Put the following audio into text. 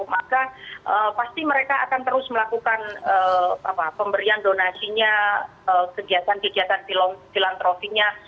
maka pasti mereka akan terus melakukan pemberian donasinya kegiatan kegiatan filantrofinya